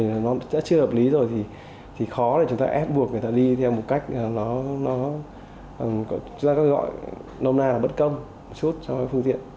vì nó đã chưa hợp lý rồi thì khó để chúng ta ép